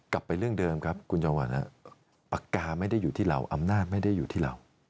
กลับไปเรื่องเดิมครับคุณจอวันปากกาไม่ได้อยู่ที่เราอำนาจไม่ได้อยู่ที่เรา